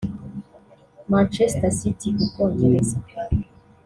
Manchester City (u Bwongereza)